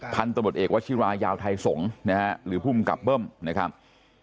พันธบทเอกวัชิรายาวไทยสงฆ์นะฮะหรือภูมิกับเบิ้มนะครับ